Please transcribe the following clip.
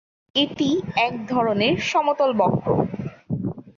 এটি এক ধরনের সমতল বক্র।